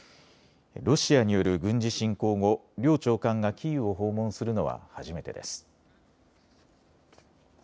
ロシアによる軍事侵攻後両長官がキーウを訪問するのは初めてです。